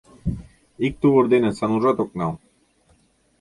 Ик тувыр дене Санужат ок нал...